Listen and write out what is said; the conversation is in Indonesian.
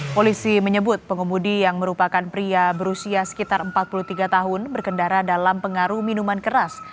polisi menyebut pengemudi yang merupakan pria berusia sekitar empat puluh tiga tahun berkendara dalam pengaruh minuman keras